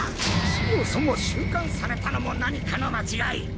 そもそも収監されたのも何かの間違い！